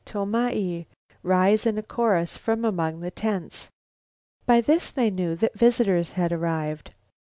Tomai," rise in a chorus from among the tents. By this they knew that visitors had arrived.